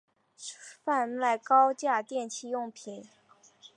贩售高阶电器用品